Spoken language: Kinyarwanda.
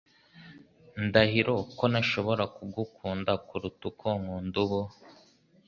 Ndahiro ko ntashobora kugukunda kuruta uko nkunda ubu,